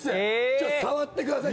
ちょっと触ってください。